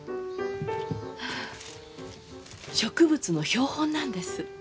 植物の標本なんです。